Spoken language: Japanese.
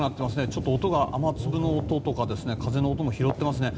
ちょっと音が雨粒の音とか風の音も拾っていますね。